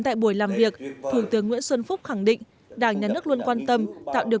tại buổi làm việc thủ tướng nguyễn xuân phúc khẳng định đảng nhà nước luôn quan tâm tạo điều